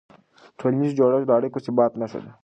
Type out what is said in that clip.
ټولنیز جوړښت د اړیکو د ثبات نښه ده.